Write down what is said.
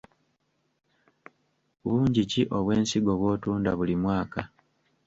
Bungi ki obw’ensigo bw’otunda buli mwaka?